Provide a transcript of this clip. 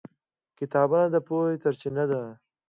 کتابونه د پوهې سرچینه ده.